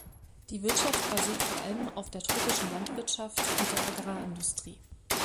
Die Wirtschaft basiert vor allem auf der tropischen Landwirtschaft und der Agrarindustrie.